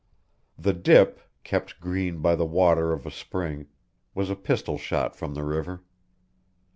The dip, kept green by the water of a spring, was a pistol shot from the river.